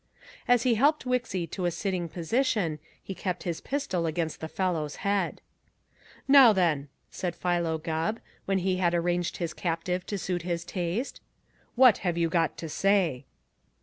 As he helped Wixy to a sitting position, he kept his pistol against the fellow's head. "Now, then," said Philo Gubb, when he had arranged his captive to suit his taste, "what you got to say?"